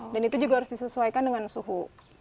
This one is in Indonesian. dan itu juga harus disesuaikan dengan suhu